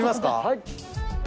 はい。